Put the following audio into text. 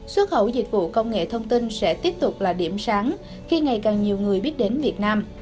xuất khẩu dịch vụ công nghệ thông tin sẽ tiếp tục là điểm sáng khi ngày càng nhiều người biết đến việt nam